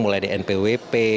mulai di npwp